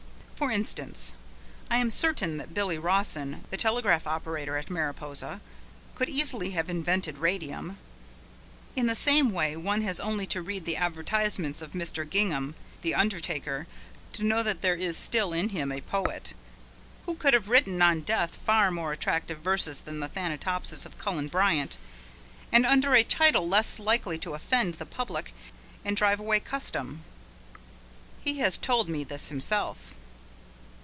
For instance, I am certain that Billy Rawson, the telegraph operator at Mariposa, could easily have invented radium. In the same way one has only to read the advertisements of Mr. Gingham, the undertaker, to know that there is still in him a poet, who could have written on death far more attractive verses than the Thanatopsis of Cullen Bryant, and under a title less likely to offend the public and drive away custom. He has told me this himself.